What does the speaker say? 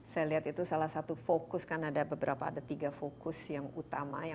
saya lihat itu salah satu fokus kan ada beberapa ada tiga fokus yang utama